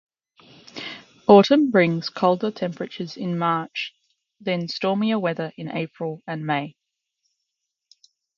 Autumn brings colder temperatures in March, then stormier weather in April and May.